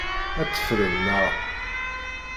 Ad t-teffrem, naɣ?